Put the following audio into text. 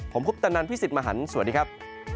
ผมคุปตะนันพี่สิทธิ์มหันฯสวัสดีครับ